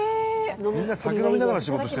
みんな酒飲みながら仕事してるんだね。